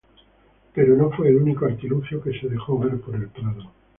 Pero no fue el único artilugio que se dejó ver por el prado.